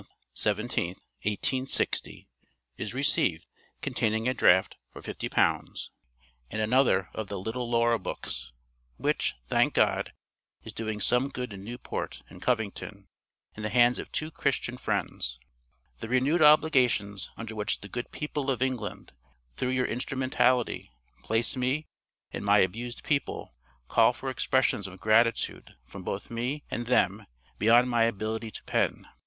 17th, 1860, is received, containing a draft for £50, and another of the 'Little Laura' books, which, thank God, is doing some good in Newport and Covington, in the hands of two Christian friends. The renewed obligations under which the good people of England, through your instrumentality, place me and my abused people, call for expressions of gratitude from both me and them beyond my ability to pen.